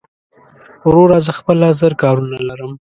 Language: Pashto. وروره زه خپله زر کارونه لرم